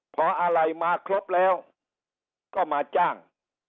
พออะไรมาครบแล้วก็มาจ้าง